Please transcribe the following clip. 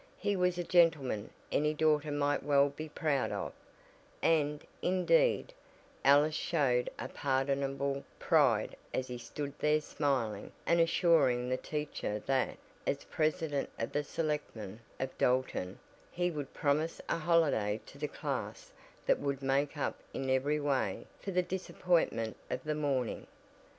He was a gentleman any daughter might well be proud of, and, indeed, Alice showed a pardonable pride as he stood there smiling and assuring the teacher that, as president of the Selectmen of Dalton, he would promise a holiday to the class that would make up in every way for the disappointment of the morning.